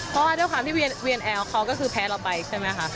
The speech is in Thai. เพราะว่าด้วยความที่เขาก็คือแพ้เราไปใช่ไหมค่ะ